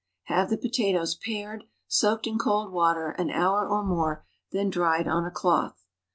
Have the potatoes pared, soaked in cold water an hour or more, then dried on a cloth.